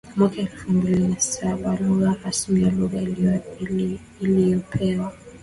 mwaka elfu mbili na saba Lugha rasmi ni lugha iliyopewa